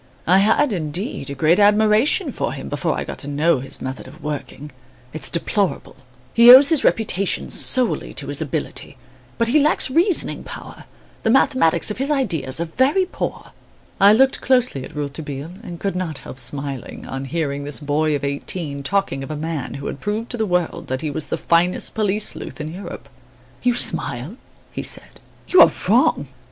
I had, indeed, a great admiration for him, before I got to know his method of working. It's deplorable. He owes his reputation solely to his ability; but he lacks reasoning power, the mathematics of his ideas are very poor." I looked closely at Rouletabille and could not help smiling, on hearing this boy of eighteen talking of a man who had proved to the world that he was the finest police sleuth in Europe. "You smile," he said? "you are wrong!